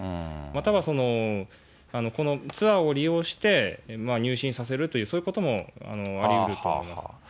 またはこのツアーを利用して、入信させると、そういうこともありうると思います。